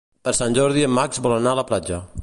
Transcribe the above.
Per Sant Jordi en Max vol anar a la platja.